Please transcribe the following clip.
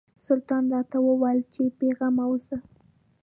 سلطان راته وویل چې بېغمه اوسه.